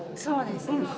そうですね。